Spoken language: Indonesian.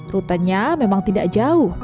rutanya memang tidak jauh